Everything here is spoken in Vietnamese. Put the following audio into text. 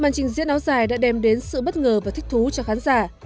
màn trình diễn áo dài đã đem đến sự bất ngờ và thích thú cho khán giả